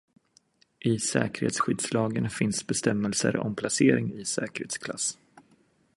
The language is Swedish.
I säkerhetsskyddslagen finns bestämmelser om placering i säkerhetsklass.